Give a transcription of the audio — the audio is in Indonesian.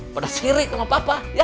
pada sirik sama papa ya